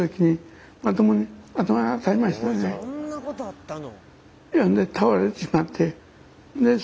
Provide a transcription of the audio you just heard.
そんなことあったの。